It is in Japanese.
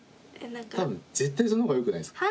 多分絶対そのほうがよくないですか。